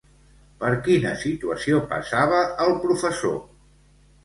Per quina situació passava el professor?